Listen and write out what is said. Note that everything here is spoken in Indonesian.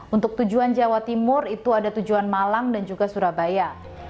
untuk tujuan jawa timur itu ada tujuan malang dan juga surabaya